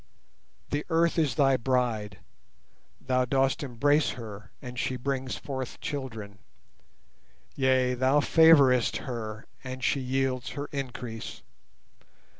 The Earth is thy bride. Thou dost embrace her and she brings forth children; Yea, Thou favourest her, and she yields her increase.